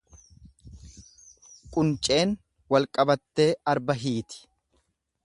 Qunceen walqabattee arba hiiti.